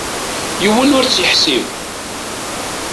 Yiwen ur tt-iḥsib.